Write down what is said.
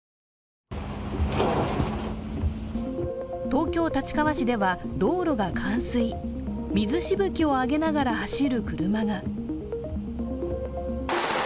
東京・立川市では道路が冠水、水しぶきを上げながら走る車が。